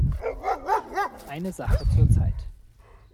Eine Sache zur Zeit.